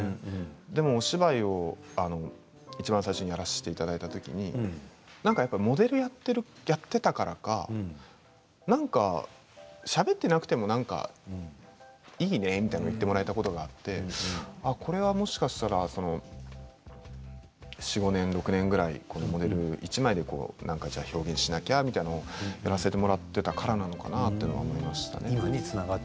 でもお芝居をいちばん最初にやらせていただいたときにモデルをやっていたからかなんか、しゃべっていなくてもいいね、みたいなことを言ってもらえたことがあってそれはもしかしたら６年ぐらいモデルで１枚で表現しなくてはいけないということをやらせてもらっていたからなのかなということ思いました。